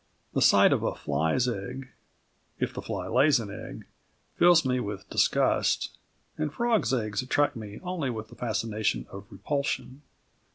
The sight of a fly's egg if the fly lays an egg fills me with disgust and frogs' eggs attract me only with the fascination of repulsion.